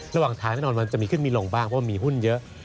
ระหว่างทางแน่นอนมันจะมีขึ้นมีลงบ้างเพราะว่ามีหุ้นเยอะ